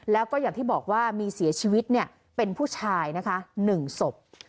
แล้วก็อย่างที่บอกว่ามีเสียชีวิตเป็นผู้ชายนะคะ๑ศพ